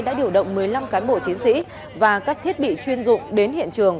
đã điều động một mươi năm cán bộ chiến sĩ và các thiết bị chuyên dụng đến hiện trường